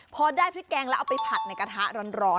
พอได้พริกแกงแล้วเอาไปผัดในกระทะร้อน